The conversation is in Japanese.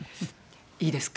いいですか？